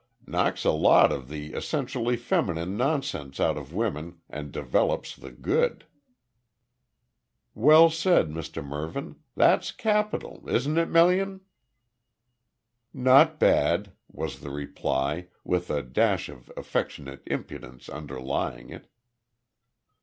"Knocks a lot of the essentially feminine nonsense out of women and develops the good." "Well said, Mr Mervyn. That's capital, isn't it, Melian?" "Not bad," was the reply, with a dash of affectionate impudence underlying it.